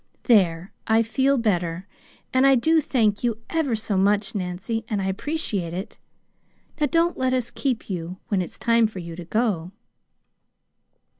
"There, I feel better. And I do thank you ever so much, Nancy, and I appreciate it. Now don't let us keep you when it's time for you to go."